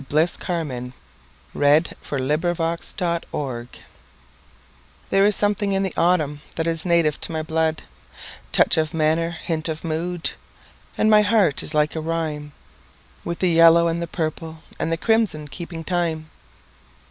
Bliss Carman A Vagabond Song THERE is something in the autumn that is native to my blood—Touch of manner, hint of mood; And my heart is like a rhyme, With the yellow and the purple and the crimson keeping time.